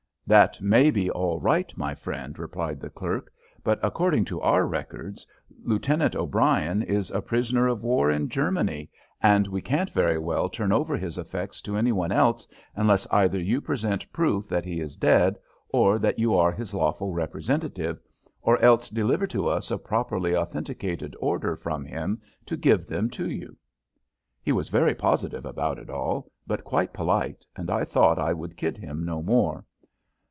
"That may be all right, my friend," replied the clerk, "but according to our records Lieutenant O'Brien is a prisoner of war in Germany, and we can't very well turn over his effects to any one else unless either you present proof that he is dead and that you are his lawful representative, or else deliver to us a properly authenticated order from him to give them to you." He was very positive about it all, but quite polite, and I thought I would kid him no more.